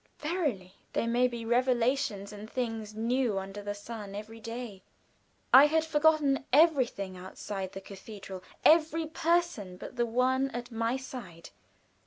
Verily, there may be revelations and things new under the sun every day. I had forgotten everything outside the cathedral every person but the one at my side.